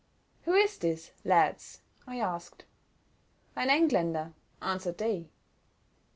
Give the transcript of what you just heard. "Who is this, lads?" I asked. "Ein Engländer," answered they.